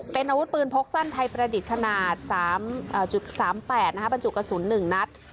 เป็นอาวุธปืนพกสั้นไทยประดิษฐ์ขนาด๓๘บรรจุกระสุน๑นัด